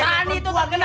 sani itu tak kena